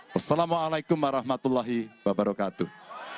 wassalamualaikum warahmatullahi wabarakatuh